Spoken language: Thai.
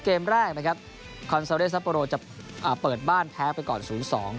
เกมแรกนะครับคอนเซอเลสซัปโปโรจะเปิดบ้านแท้ไปก่อน๐๒